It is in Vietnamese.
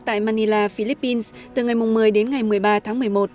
tại manila philippines từ ngày một mươi đến ngày một mươi ba tháng một mươi một